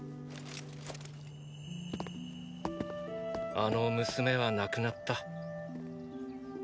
あの娘は亡くなった。！！